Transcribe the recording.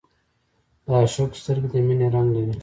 د عاشق سترګې د مینې رنګ لري